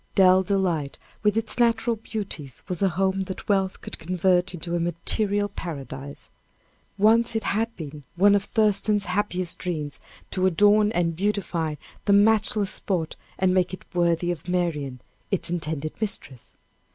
Dell Delight, with its natural beauties, was a home that wealth could convert into a material paradise. Once it had been one of Thurston's happiest dreams to adorn and beautify the matchless spot, and make it worthy of Marian, its intended mistress.